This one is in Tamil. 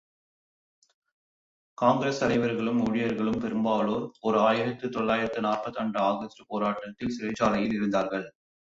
காங்கிரஸ் தலைவர்களும் ஊழியர்களும் பெரும்பாலோர் ஓர் ஆயிரத்து தொள்ளாயிரத்து நாற்பத்திரண்டு ஆகஸ்ட் போராட்டத்தில் சிறைச்சாலையில் இருந்தார்கள்.